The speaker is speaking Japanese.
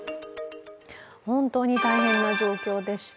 本当に大変な状況でした。